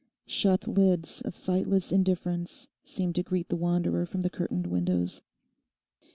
Shut lids of sightless indifference seemed to greet the wanderer from the curtained windows.